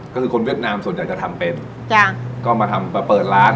ก็คือคนเวียดนามส่วนใหญ่จะทำเป็นจ้ะก็มาทำมาเปิดร้าน